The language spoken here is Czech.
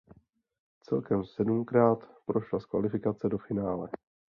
Celkem sedmkrát prošla z kvalifikace do finále.